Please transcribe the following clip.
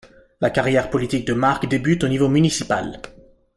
La carrière politique de Mark débute au niveau municipal.